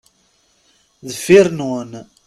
Deffir nwen.